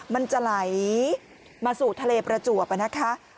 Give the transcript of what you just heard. มันจะไหลมาสู่ทะเลประจวบนะคะ